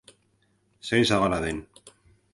Zein zabala den!